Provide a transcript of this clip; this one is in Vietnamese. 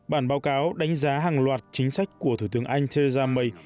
bản báo cáo đánh giá hàng loạt chính sách của thủ tướng anh theresa may